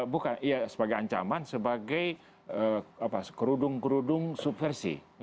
bukan sebagai ancaman sebagai kerudung kerudung subversi